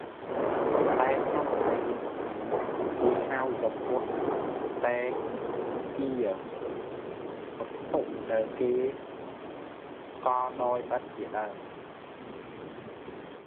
តែក្នុងប្រទេសយើងសព្វថ្ងៃនេះ គេហៅចំពោះតែគារវវត្ថុ ដែលគេកដោយឥដ្ឋជាដើម។